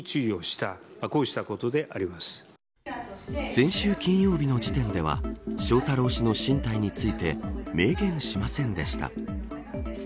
先週金曜日の時点では翔太郎氏の進退について明言しませんでした。